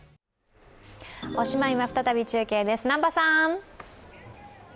おしまいは再び中継です、南波さん。